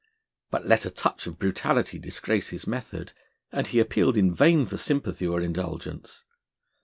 But let a touch of brutality disgrace his method, and he appealed in vain for sympathy or indulgence.